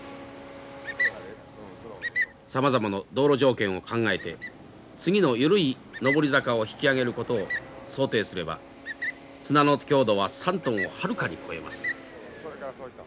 さまざまの道路条件を考えて次の緩い上り坂を引き上げることを想定すれば綱の強度は３トンをはるかに超えます。